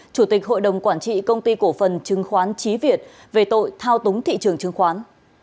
chủ tịch hội đồng quản trị công ty cổ phần chứng khoán trí việt về tội thao túng thị trường chứng khoán